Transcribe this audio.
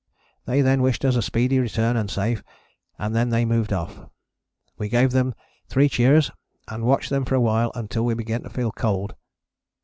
They then wished us a speedy return and safe, and then they moved off. We gave them three cheers, and watched them for a while until we began to feel cold.